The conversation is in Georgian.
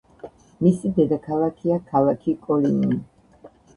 მისი დედაქალაქია ქალაქი კოლინი.